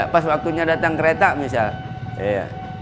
pas waktunya datang kereta misalnya